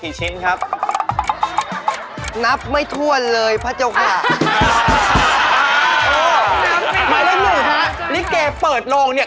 ลิเคคะนัทคุณออบแขกยังไงคะ